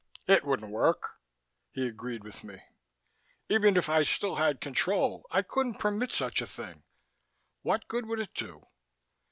"It wouldn't work," he agreed with me. "Even if I still had control, I couldn't permit such a thing. What good would it do?